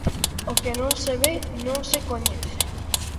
O que non se ve non se coñece.